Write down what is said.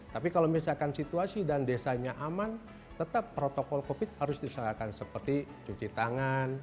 tapi kalau misalkan situasi dan desanya aman tetap protokol covid harus diserahkan seperti cuci tangan